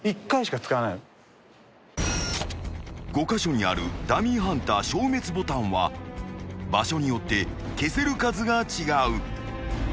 ［５カ所にあるダミーハンター消滅ボタンは場所によって消せる数が違う］